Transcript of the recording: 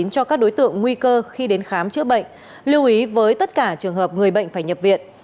cho các đối tượng nguy cơ khi đến khám chữa bệnh lưu ý với tất cả trường hợp người bệnh phải nhập viện